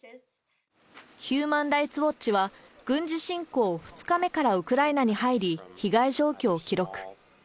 ヒューマン・ライツ・ウォッチは、軍事侵攻２日目からウクライナに入り、被害状況を記録。